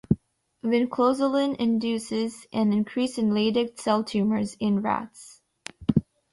Vinclozolin induces an increase in leydig cell tumors in rats.